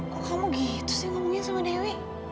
kok kamu gitu sih ngomongnya sama dewi